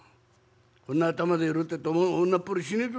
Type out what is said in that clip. こんな頭でいるってえと女っぷりしねえぞ。